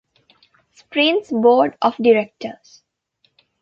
Sprints Board of Directors.